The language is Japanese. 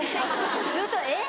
ずっと「えっ⁉」。